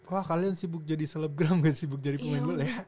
wah kalian sibuk jadi selebgram dan sibuk jadi pemain bola